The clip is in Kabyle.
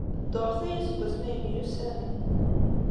Dduṛt aya seg wasmi ay myussanen.